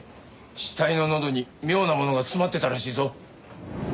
死体の喉に妙なものが詰まってたらしいぞ。